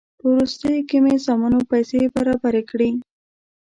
په وروستیو کې مې زامنو پیسې برابرې کړې.